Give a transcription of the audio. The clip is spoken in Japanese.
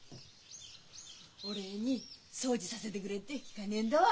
「お礼に掃除させでくれ」っで聞かねえんだわ。